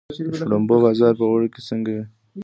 د شړومبو بازار په اوړي کې څنګه وي؟